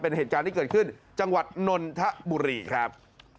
เป็นเหตุการณ์ที่เกิดขึ้นจังหวัดนนทบุรีครับ